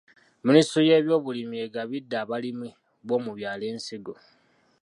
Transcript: Minisitule y'ebyobulimi egabidde abalimi b'omu byalo ensigo.